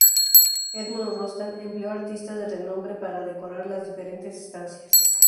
Edmond Rostand empleó a artistas de renombre para decorar las diferentes estancias.